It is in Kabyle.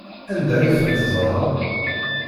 Anda ay ten-teẓram?